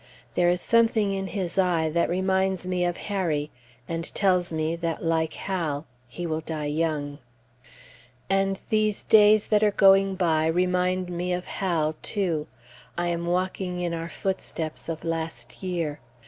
There is something in his eye that reminds me of Harry, and tells me that, like Hal, he will die young. And these days that are going by remind me of Hal, too. I am walking in our footsteps of last year.